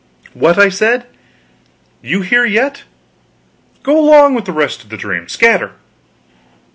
"What!" I said, "you here yet? Go along with the rest of the dream! scatter!"